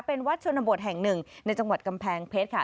เป็นวัดชนบทแห่งหนึ่งในจังหวัดกำแพงเพชรค่ะ